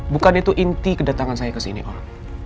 bukan itu inti kedatangan saya ke sini orang